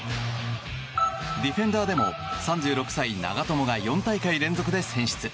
ディフェンダーでも３６歳、長友が４大会連続で選出。